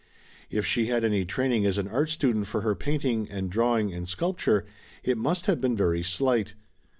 If she had any training as an art student for her painting and drawing and sculpture, it must have been very slight.